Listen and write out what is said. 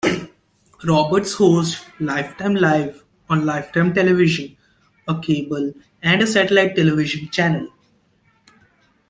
Roberts hosts "Lifetime Live" on Lifetime Television, a cable and satellite television channel.